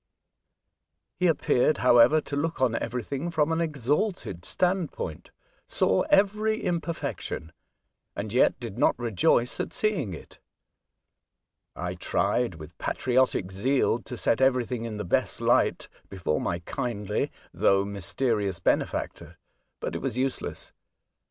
He appeared, however, to look on everything from an exalted standpoint, saw every imperfection, and yet did not rejoice at seeing it. I tried with patriotic zeal to set everything in the best light before my kindly, though mysterious, benefactor, but it was use less.